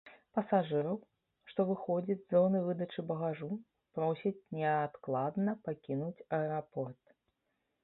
Пасажыраў, што выходзяць з зоны выдачы багажу, просяць неадкладна пакінуць аэрапорт.